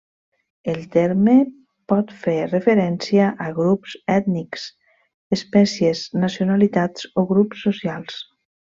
El terme pot fer referència a grups ètnics, espècies, nacionalitats o grups socials.